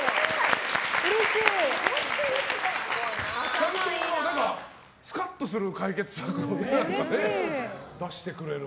ちゃんとスカッとする解決策を出してくれる。